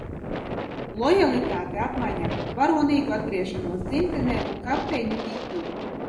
Lojalitāte apmaiņā pret varonīgu atgriešanos dzimtenē un kapteiņa titulu?